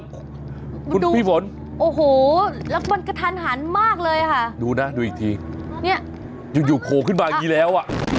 คุณดูพี่ฝนโอ้โหแล้วมันกระทันหันมากเลยค่ะดูนะดูอีกทีเนี่ยอยู่อยู่โผล่ขึ้นมาอย่างงี้แล้วอ่ะ